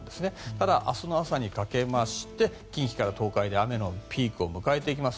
ただ、明日の朝にかけまして近畿から東海で雨のピークを迎えていきます。